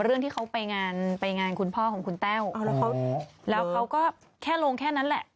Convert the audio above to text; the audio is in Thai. เรื่องที่เขาไปงานไปงานคุณพ่อของคุณแต้วแล้วเขาก็แค่ลงแค่นั้นแหละ